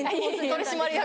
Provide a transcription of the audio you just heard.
取締役。